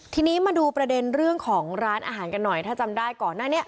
ทีนี้มาดูประเด็นเรื่องของร้านอาหารกันหน่อยถ้าจำได้ก่อนหน้านี้